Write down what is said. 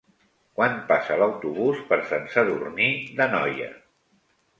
Quan passa l'autobús per Sant Sadurní d'Anoia?